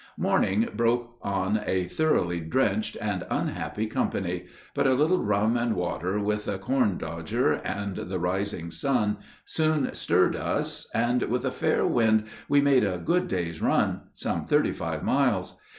Morning broke on a thoroughly drenched and unhappy company; but a little rum and water, with a corn dodger and the rising sun, soon stirred us, and with a fair wind we made a good day's run, some thirty five miles.